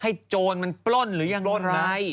ให้โจนนันปล้นหรือยังไร